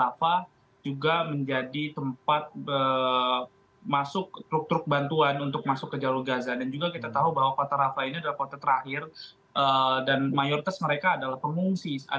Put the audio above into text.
dan juga yang kita tahu ada border rafah juga menjadi tempat masuk truk truk bantuan untuk masuk ke jawa gaza dan juga kita tahu bahwa kota rafah ini adalah kota terakhir dan mayoritas mereka adalah pengungsi